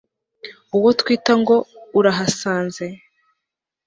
N uwo twita ngo urahasanze